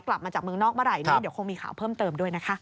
กลับมาจากเมืองนอกเมื่อไหร่เดี๋ยวคงมีข่าวเพิ่มเติมด้วยนะคะ